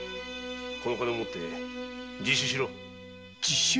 この金を持って自首しろ自首？